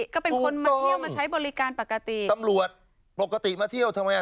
ก็เป็นคนมาเที่ยวมาใช้บริการปกติตำรวจปกติมาเที่ยวทำไมอ่ะ